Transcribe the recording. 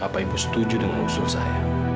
apa ibu setuju dengan unsur saya